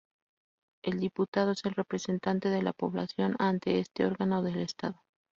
El diputado es el representante de la población, ante este Órgano del Estado.